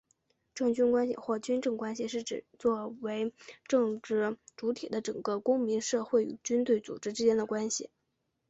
政军关系或军政关系是指作为政治主体的整个公民社会与军队组织之间的关系。